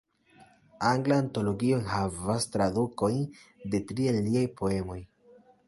Angla Antologio enhavas tradukojn de tri el liaj poemoj.